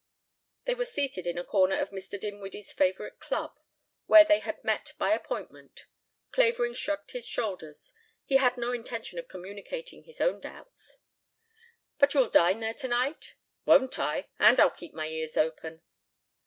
They were seated in a corner of Mr. Dinwiddie's favorite club, where they had met by appointment. Clavering shrugged his shoulders. He had no intention of communicating his own doubts. "But you'll dine there tonight?" "Won't I? And I'll keep my ears open."